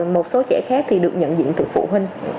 một số trẻ khác thì được nhận diện từ phụ huynh